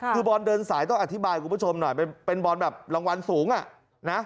คือบอลเดินสายต้องอธิบายคุณผู้ชมหน่อยเป็นบอลแบบรางวัลสูงอ่ะนะ